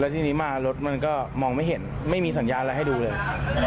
ทีนี้มารถมันก็มองไม่เห็นไม่มีสัญญาณอะไรให้ดูเลย